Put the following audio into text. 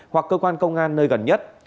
hoặc cơ quan công an nơi gần nhất